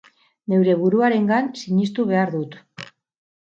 Neure buruarengan sinestu behar dut.